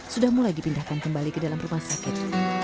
sudah mulai dipindahkan kembali ke dalam rumah sakit